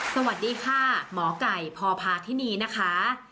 สวัสดีค่ะหมอไก่พอภาคที่นี่นะคะ